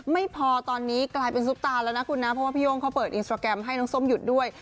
ไม่พอตอนนี้กลายเป็นซุปตาแล้วนะคุณนะเพราะว่าพี่โย่งเขาเปิดอินสตราแกรมให้น้องส้มหยุดด้วย